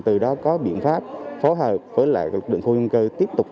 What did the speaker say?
từ đó có biện pháp phối hợp